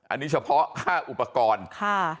อันนี้เฉพาะค่าอุปกรณ์ค่ะ